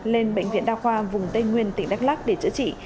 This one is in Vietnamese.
lên bệnh viện đa khoa vùng tây nguyên tỉnh đắk lắc để chữa trị